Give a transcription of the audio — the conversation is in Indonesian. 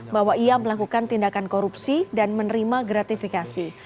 bahwa ia melakukan tindakan korupsi dan menerima gratifikasi